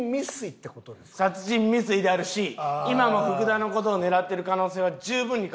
殺人未遂であるし今も福田の事を狙ってる可能性は十分に考えられる。